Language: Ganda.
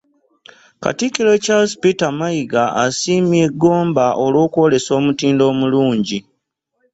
Katikkiro Charles Peter Mayiga asiimye Gomba olw'okwolesa omutindo omulungi